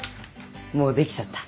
もう出来ちゃった。